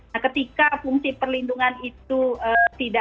nah ketika fungsi perlindungan itu tidak